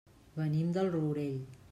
Venim del Rourell.